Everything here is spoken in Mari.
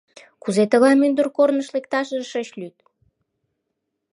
Кузе тыгай мӱндыр корныш лекташыже шыч лӱд?